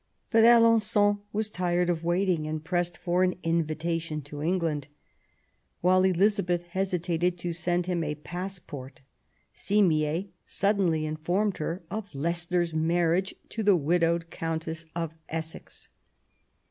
But Alen9on was tired of waiting and pressed for an invitation to England. While Elizabeth hesitated to send him a passport, Simier suddenly informed her of Leicester's marriage to the widowed Countess of Essex.